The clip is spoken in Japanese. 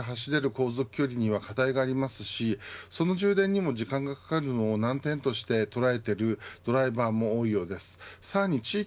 ただ、１回の充電で走れる航続距離には課題がありますしその充電にも時間がかかるのを難点として捉えているドライバーも多いようです。